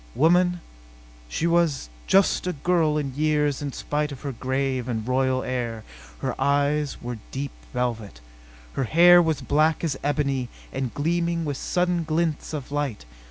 Woman? She was just a girl in years in spite of her grave and royal air. Her eyes were deep violet. Her hair was black as ebony and gleaming with sudden glints of light.